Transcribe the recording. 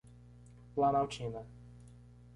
Planaltina